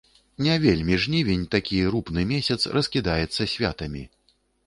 Не вельмі жнівень, такі рупны месяц, раскідаецца святамі.